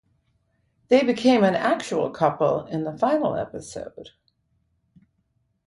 They became an actual couple in the final episode.